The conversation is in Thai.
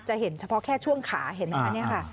เห็นเฉพาะแค่ช่วงขาเห็นไหมคะเนี่ยค่ะ